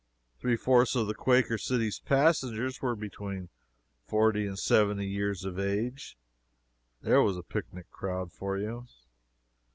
Three fourths of the __Quaker City__'s passengers were between forty and seventy years of age! There was a picnic crowd for you!